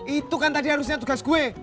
itu kan tadi harusnya tugas gue